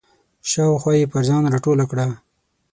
شاوخوا یې پر ځان راټوله کړه.